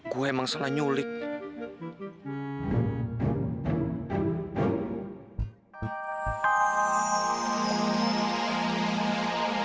ternyata benar juga